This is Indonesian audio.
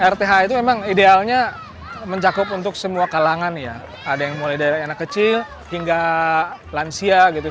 rth itu memang idealnya mencakup untuk semua kalangan ya ada yang mulai dari anak kecil hingga lansia gitu